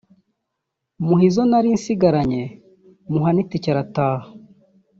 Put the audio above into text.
muha izo narinsigaranye muha n’itike arataha